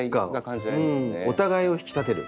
お互いを引き立てる。